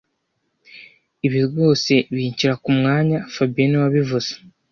Ibi rwose binshyira kumwanya fabien niwe wabivuze